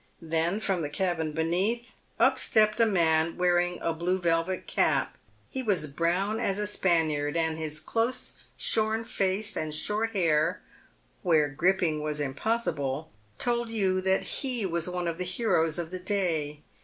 Then, from the cabin beneath, up stepped a man wearing a blue velvet cap. He was brown as a Spaniard, and his close shorn face and short hair — where gripping was impossible — told you that he was one of the heroes of the day.